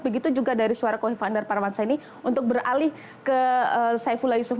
begitu juga dari suara kofifa indar parawansa ini untuk beralih ke saifullah yusuf